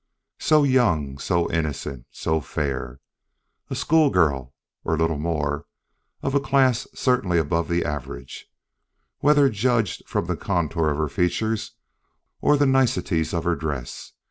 So young! so innocent! so fair! A schoolgirl, or little more, of a class certainly above the average, whether judged from the contour of her features or the niceties of her dress.